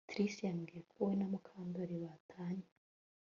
Trix yambwiye ko we na Mukandoli batanye